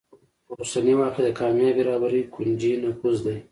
په اوسني وخت کې د کامیابې رهبرۍ کونجي نفوذ دی.